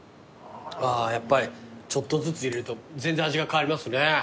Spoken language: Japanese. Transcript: あーやっぱりちょっとずつ入れると全然味が変わりますね。